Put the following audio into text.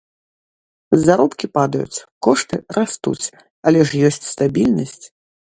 Заробкі падаюць, кошты растуць, але ж ёсць стабільнасць.